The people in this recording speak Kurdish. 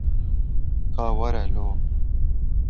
Ka were lo